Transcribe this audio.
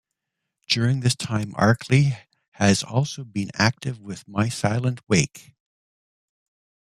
During this time, Arkley has also been active with My Silent Wake.